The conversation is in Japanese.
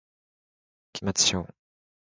期末資本